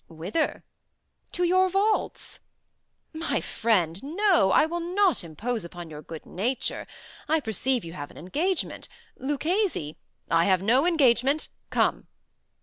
"Whither?" "To your vaults." "My friend, no; I will not impose upon your good nature. I perceive you have an engagement. Luchesi—" "I have no engagement;—come."